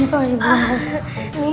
alhamdulillah bukan aku